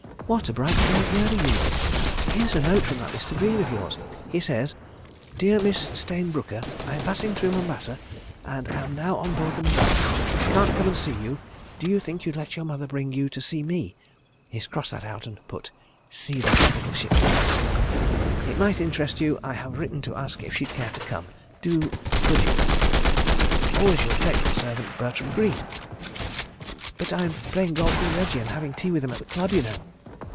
"What a bright, gay girlie you look! ... Here's a note from that Mr. Greene of yours. He says: 'Dear Miss Stayne Brooker, 'I am passing through Mombasa, _and am now on board the __Madras_. I can't come and see you—do you think you'd let your mother bring you to see me'—he's crossed that out and put 'see the Hospital Ship Madras'—'it might interest you. I have written to ask if she'd care to come. Do—could you? 'Always your grateful servant, 'BERTRAM GREENE.' But I am playing golf with Reggie and having tea with him at the Club, you know."